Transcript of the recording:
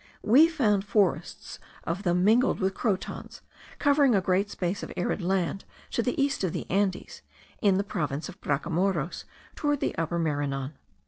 We found forests of them mingled with crotons, covering a great space of arid land to the east of the Andes, in the province of Bracamoros, towards the Upper Maranon.